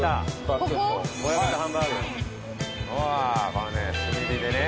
このね炭火でね。